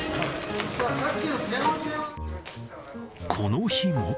この日も。